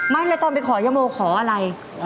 ไม่แล้วตอนไปขอยะโมขออะไร